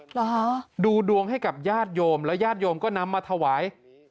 เหรอฮะดูดวงให้กับญาติโยมแล้วญาติโยมก็นำมาถวาย